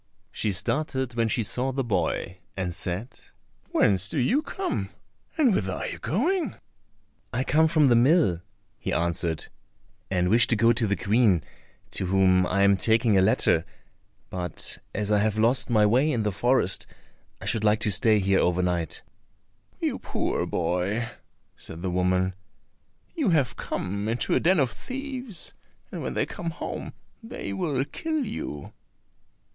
She started when she saw the boy, and said, "Whence do you come, and whither are you going?" "I come from the mill," he answered, "and wish to go to the Queen, to whom I am taking a letter; but as I have lost my way in the forest I should like to stay here over night." "You poor boy," said the woman, "you have come into a den of thieves, and when they come home they will kill you."